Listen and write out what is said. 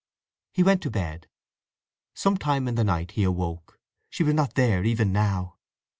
He went to bed. Some time in the night he awoke. She was not there, even now.